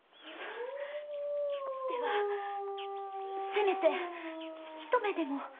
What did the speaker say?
ではせめてひと目でも。